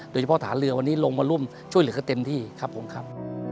ฐานเรือวันนี้ลงมาร่วมช่วยเหลือกันเต็มที่ครับผมครับ